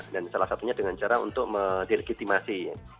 dan salah satunya dengan cara untuk delegitimasi